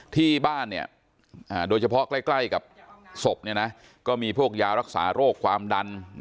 ที่บ้านโดยเฉพาะใกล้กับศพก็มีพวกยารักษาโรคความดัน